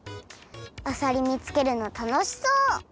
あさり見つけるの楽しそう！